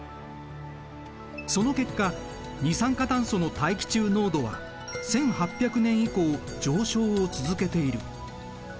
その結果二酸化炭素の大気中濃度は１８００年以降上昇を続けている。